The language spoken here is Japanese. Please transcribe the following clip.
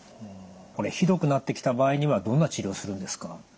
これひどくなってきた場合にはどんな治療をするんですか？